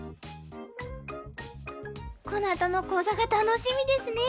このあとの講座が楽しみですね。